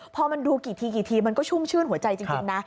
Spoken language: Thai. พอมันดูกี่ทีกี่ทีมันก็ชุ่มชื่นหัวใจจริงนะ